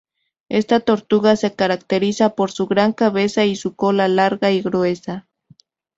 Esta tortuga se caracteriza por su gran cabeza y su cola larga y gruesa.